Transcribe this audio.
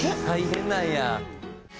大変なんや。